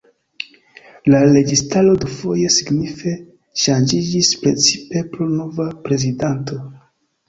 La registaro dufoje signife ŝanĝiĝis, precipe pro nova prezidanto.